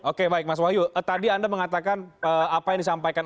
oke baik mas wahyu tadi anda mengatakan apa yang disampaikan